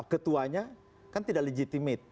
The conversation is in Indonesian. ketuanya kan tidak legitimit